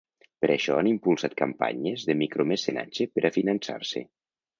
Per això han impulsat campanyes de micromecenatge per a fiançar-se.